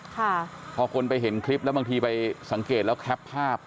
ค่ะพอคนไปเห็นคลิปแล้วบางทีไปสังเกตแล้วแคปภาพ